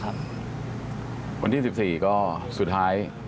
วันที่๑๔ก็สุดท้าย